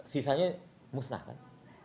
sisanya musnah kan